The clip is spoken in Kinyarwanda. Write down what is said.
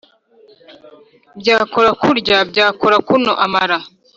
Byakora kurya, byakora kuno-Amara.